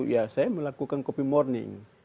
ya saya melakukan copy morning